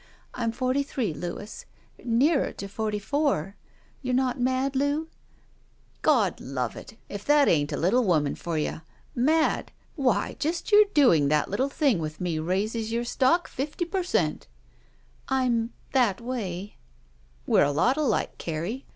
I'm forty three, Louis — ^nearer to forty four. You're not mad. Loo?" *' God love it ! If that ain't a little woman for you ! Mad? Why, just your doing that little thing with me raises your stodi: fifty per cent." "I'm— that way." "We're a lot alike, Carrie.